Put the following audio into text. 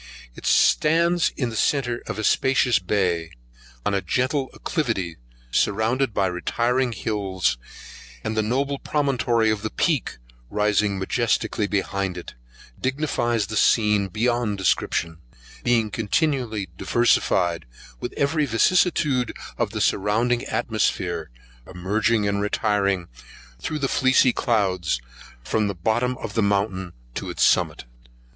It stands in the centre of a spacious bay, on a gentle acclivity surrounded with retiring hills, and the noble promontory of the Peek rising majestically behind it, dignifies the scene beyond description, being continually diversified with every vicissitude of the surrounding atmosphere, emerging and retiring thro' the fleecy clouds, from the bottom of the mountain to its summit.